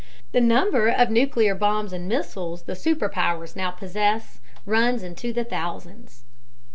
The number of nuclear bombs and missiles the superpowers now possess runs into the thousands.